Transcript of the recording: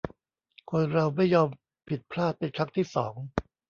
คนเราไม่ยอมผิดพลาดเป็นครั้งที่สอง